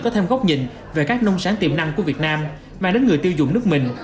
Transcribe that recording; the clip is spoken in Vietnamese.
có thêm góc nhìn về các nông sáng tiềm năng của việt nam mang đến người tiêu dùng nước mình